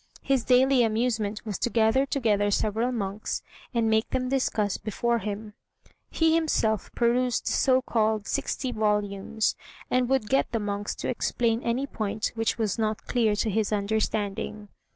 His daily amusement was to gather together several monks, and make them discuss before him. He himself perused the so called "sixty volumes," and would get the monks to explain any point which was not clear to his understanding.